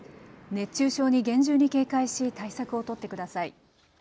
熱中症に厳重に警戒し対策を取ってください。